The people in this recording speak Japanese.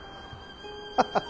ハハハッ。